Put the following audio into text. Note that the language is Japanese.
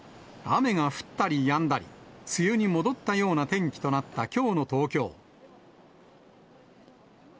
雨が降ったりやんだり、梅雨に戻ったような天気となったきょうの東京。